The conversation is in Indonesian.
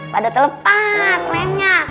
pada terlepas lemnya